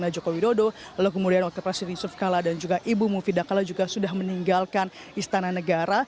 joko widodo lalu kemudian wakil presiden yusuf kala dan juga ibu mufidah kala juga sudah meninggalkan istana negara